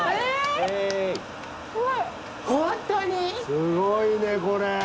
すごいねこれ！